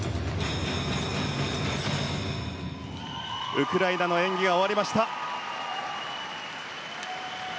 ウクライナの演技が終わりました。